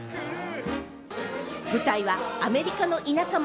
舞台はアメリカの田舎町。